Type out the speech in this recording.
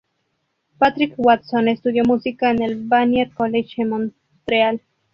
Patrick Watson estudió música en el Vanier College en Montreal.